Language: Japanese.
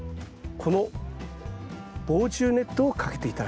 この防虫ネットをかけて頂く。